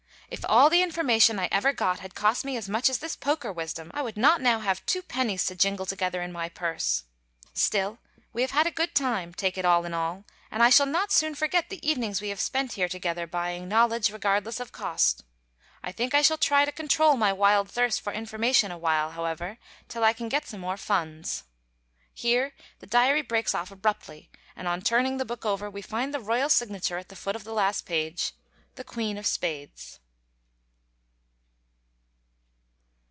If all the information I ever got had cost me as much as this poker wisdom, I would not now have two pennies to jingle together in my purse. Still, we have had a good time, take it all in all, and I shall not soon forget the evenings we have spent here together buying knowledge regardless of cost. I think I shall try to control my wild thirst for information awhile, however, till I can get some more funds. [Here the diary breaks off abruptly, and on turning the book over we find the royal signature at the foot of the last page, "The Queen of Spades."